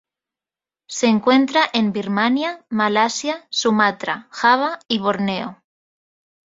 Se encuentra en Birmania, Malasia, Sumatra, Java y Borneo.